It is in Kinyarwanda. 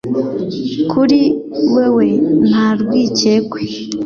kuri wewe ntarwikekwe